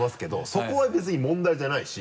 そこは別に問題じゃないし。